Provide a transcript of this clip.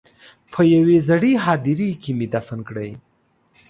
په یوې زړې هدیرې کې مې دفن کړې.